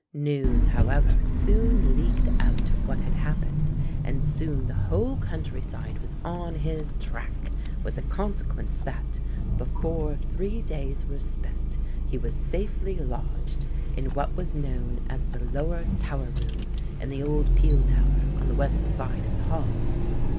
News, however, soon leaked out of what had happened and soon the whole country side was on his track, with the consequence that, before three days were spent, he was safely lodged in what was known as the lower tower room, in the old pele tower on the west side of the Hall.